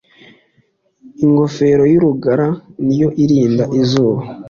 ingofero y'urugara niyo irind izuba